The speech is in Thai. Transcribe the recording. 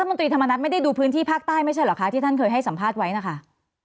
นตรีธรรมนัฐไม่ได้ดูพื้นที่ภาคใต้ไม่ใช่เหรอคะที่ท่านเคยให้สัมภาษณ์ไว้นะคะ